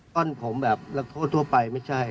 ้อนผมแบบนักโทษทั่วไปไม่ใช่